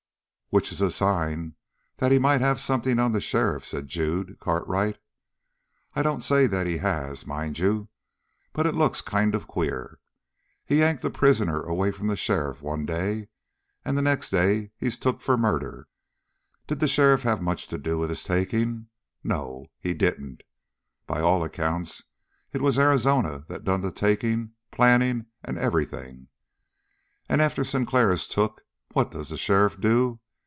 "Which is a sign that he might have something on the sheriff," said Jude Cartwright. "I don't say that he has, mind you, but it looks kind of queer. He yanked a prisoner away from the sheriff one day, and the next day he's took for murder. Did the sheriff have much to do with his taking? No, he didn't. By all accounts it was Arizona that done the taking, planning and everything. And after Sinclair is took, what does the sheriff do?